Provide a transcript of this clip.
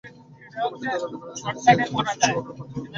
রোবটটি তৈরির অনুপ্রেরণা এসেছে জেলি মাছ ও শুঁয়াপোকার মতো প্রাণী থেকে।